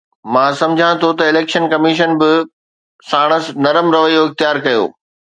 مان سمجهان ٿو ته اليڪشن ڪميشن به ساڻس نرم رويو اختيار ڪيو.